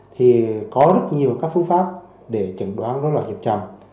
thì có rất nhiều các phương pháp để chẩn đoán dối loại nhiệp chậm